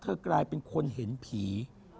กลายเป็นคนเห็นผี